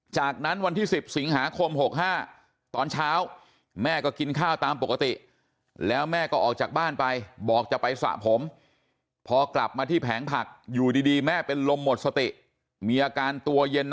จากนั้นวันที่๑๐สิงหาคม๖๕ตอนเช้าแม่ก็กินข้าวตามปกติแล้ว